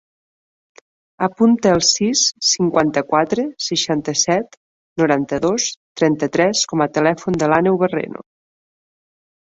Apunta el sis, cinquanta-quatre, seixanta-set, noranta-dos, trenta-tres com a telèfon de l'Àneu Barreno.